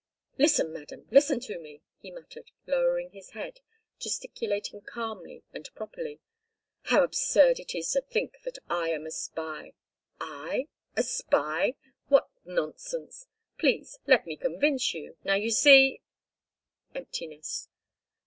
"Listen, madam, listen to me," he muttered, lowering his head, gesticulating calmly and properly. "How absurd it is to think that I am a spy. I—a spy? What nonsense! Please, let me convince you. Now, you see—" Emptiness.